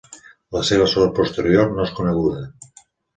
La seva sort posterior no és coneguda.